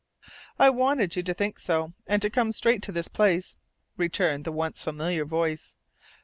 "I wanted you to think so, and to come straight to this place," returned the once familiar voice.